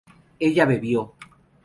ella bebió